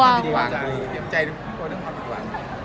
เรากลัวเรื่องความผิดหวัง